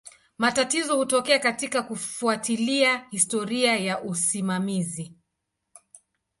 Matatizo hutokea katika kufuatilia historia ya usimamizi.